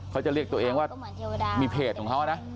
เขาจะเรียกตัวเองว่ามีเพจของเขานะ